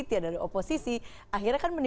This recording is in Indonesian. tidak ada oposisi